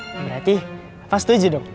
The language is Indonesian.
berarti apa setuju dong